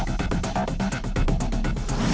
gue di jalan dikit lagi sampai